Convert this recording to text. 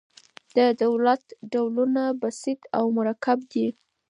د دولت ډولونه بسیط او مرکب دي.